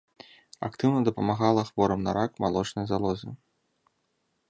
Актыўна дапамагала хворым на рак малочнай залозы.